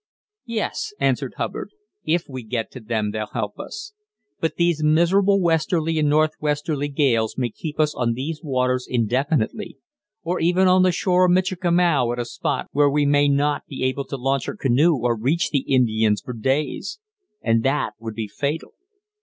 "Yes," answered Hubbard, "if we get to them they'll help us; but these miserable westerly and northwesterly gales may keep us on these waters indefinitely, or even on the shore of Michikamau at a spot where we may not be able to launch our canoe or reach the Indians for days, and that would be fatal.